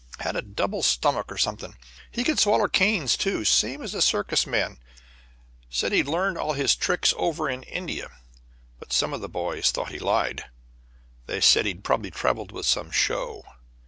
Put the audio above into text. Had a double stomach, or something. He could swaller canes, too, same as a circus man. Said he'd learned all his tricks over in India, but some of the boys thought he lied. They said he'd prob'ly traveled with some show.